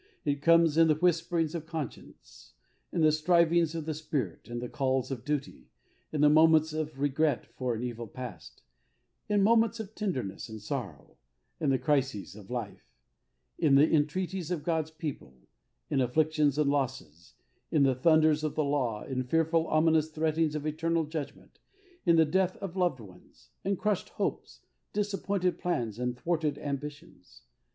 It comes in the whisperings of conscience, in the strivings of the Spirit, in the calls of duty, in the moments of regret for an evil past, in moments of tenderness and sorrow, in the crises of life, in the entreaties of God's people, in afflictions and losses, in the thunders of the law, in fearful, ominous threatenings of eternal judgment, in the death of loved ones, in crushed hopes, disappointed plans and thwarted ambitions.